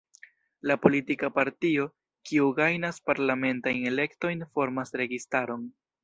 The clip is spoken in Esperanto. La politika partio, kiu gajnas parlamentajn elektojn, formas registaron.